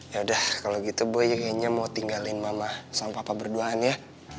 yaudah kalau gitu boy kayaknya mau tinggalin mama sama papa berduaan ya